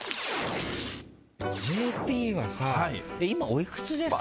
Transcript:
ＪＰはさ、今おいくつですか？